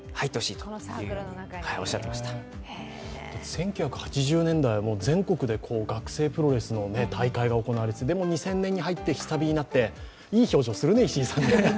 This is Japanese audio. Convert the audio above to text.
１９８０年代は全国で学生プロレスの大会が行われて、でも２０００年に入って、下火になっていい表情するね石井さんね。